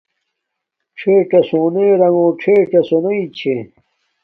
ڞݵڅݳ شݸنݺ رݣݸ ڞݵڅݳ شݸنݺ چھݺ.